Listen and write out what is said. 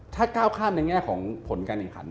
ถ้าก้าวข้ามในแง่ของผลการแข่งขัน